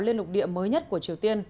lên lục địa mới nhất của triều tiên